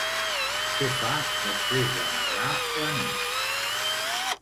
Què fa després de narrar la nit?